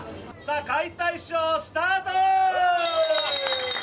解体ショー、スタート！